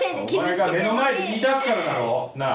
「お前が目の前で言いだすからだろ！なあ？